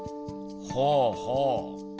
ほうほう。